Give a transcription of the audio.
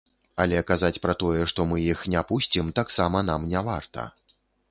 Але казаць пра тое, што мы іх не пусцім, таксама нам не варта.